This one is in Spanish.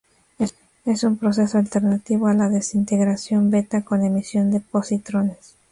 Es un proceso alternativo a la desintegración beta con emisión de positrones.